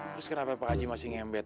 terus kenapa pak haji masih ngembet